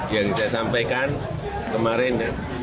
yang saya sampaikan kemarin